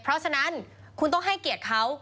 เพราะฉะนั้นคุณต้องให้เกียรติเขา